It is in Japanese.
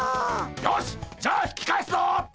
よしじゃあ引き返すぞ！